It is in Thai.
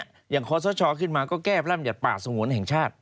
อย่างขอสะชอขึ้นมาก็แก้พร่ำหยัดป่าสงวนแห่งชาติ